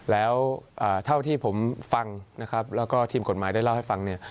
แล้วเท่าที่ผมฟังและก็ทีมกฎหมายได้เล่าให้ฟัง